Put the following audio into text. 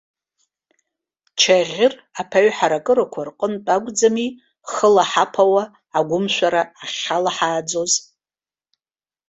Чаӷьыр аԥаҩ ҳаракырақәа рҟынтә акәӡами, хыла ҳаԥауа, агәымшәара ахьҳалаҳааӡоз?